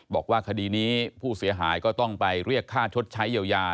บอกว่าคดีนี้ผู้เสียหายก็ต้องไปเรียกค่าชดใช้เยียวยา